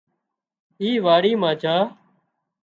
اي واڙِي مان جھا